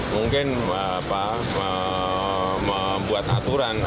mungkin membuat aturan